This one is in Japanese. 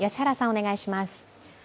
お願いします。